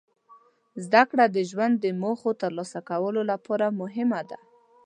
زدهکړه د ژوند د موخو ترلاسه کولو لپاره مهمه ده.